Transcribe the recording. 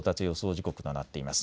時刻、正午となっています。